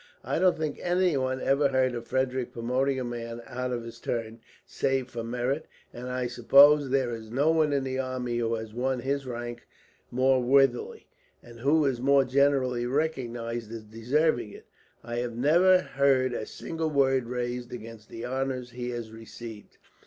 I don't think anyone ever heard of Frederick promoting a man out of his turn, save for merit; and I suppose there is no one in the army who has won his rank more worthily, and who is more generally recognized as deserving it. I have never heard a single word raised against the honours he has received.